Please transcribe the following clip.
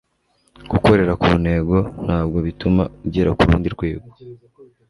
gukorera ku ntego nabwo bituma ugera kurundi rwego